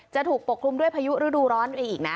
จะถูกปกคลุมด้วยพายุฤดูร้อนไปอีกนะ